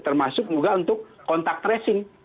termasuk juga untuk kontak tracing